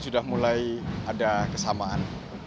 sudah mulai ada kesamaan